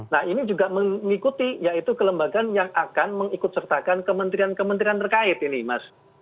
nah ini juga mengikuti yaitu kelembagaan yang akan mengikut sertakan kementerian kementerian terkait ini mas